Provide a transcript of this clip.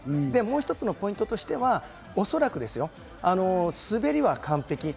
もう一つのポイントとしては、おそらく滑りは完璧。